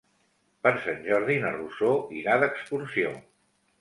Per Sant Jordi na Rosó irà d'excursió.